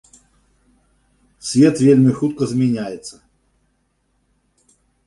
Свет вельмі хутка змяняецца.